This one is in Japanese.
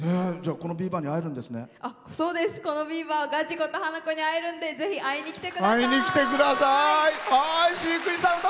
このビーバー、ガジコとハナコに会えるんで会いに来てください！